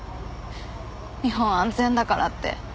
日本安全だからって。